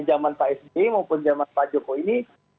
jaman pak sb maupun jaman pak jokowi ini